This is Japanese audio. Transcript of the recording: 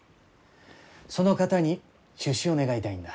その方に出資を願いたいんだ。